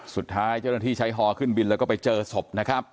สุดท้ายเจ้าหน้าที่ใช้ฮอขึ้นบินแล้วก็ไปเจอศพนะครับ